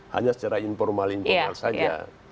hanya secara informal informal saja